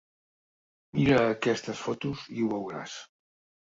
Mira aquestes fotos i ho veuràs.